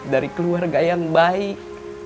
dari keluarga yang baik